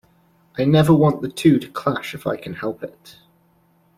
I never want the two to clash if I can help it.